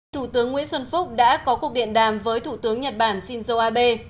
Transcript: thủ tướng nguyễn xuân phúc đã có cuộc điện đàm với thủ tướng nhật bản shinzo abe